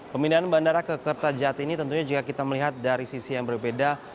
pemindahan bandara ke kertajati ini tentunya jika kita melihat dari sisi yang berbeda